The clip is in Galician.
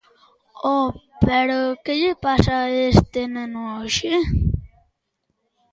Oh, pero que lle pasa a este neno hoxe?